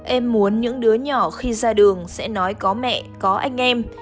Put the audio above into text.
em muốn những đứa nhỏ khi ra đường sẽ nói có mẹ có anh em